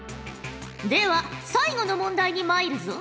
では最後の問題にまいるぞ！